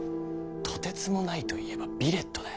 とてつもないと言えばヴィレットだ。